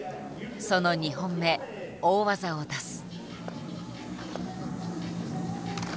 その２本目大技を出す。